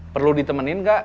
perlu ditemenin gak